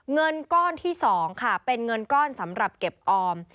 เงินก้อนที่๒ค่ะเป็นเงินก้อนสำหรับเก็บออม